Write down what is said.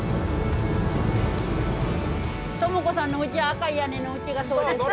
友子さんのうち赤い屋根のうちがそうです。